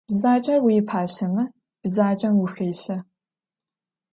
Bzacer vuipaşeme, bzacem vuxêşe.